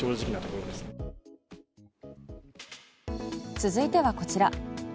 続いてはこちら。